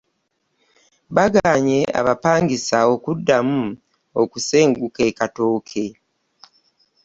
Baganye abapangisa okuddamu okusenguka e'Katooke .